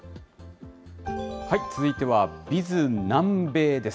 続いては、Ｂｉｚ南米です。